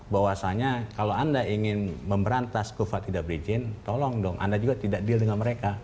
bahwasanya kalau anda ingin memberantas kufat tidak berizin tolong dong anda juga tidak deal dengan mereka